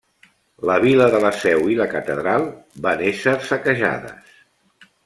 La vila de la Seu i la catedral van ésser saquejades.